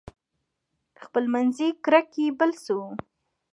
خپلمنځي کرکې بل څه وو.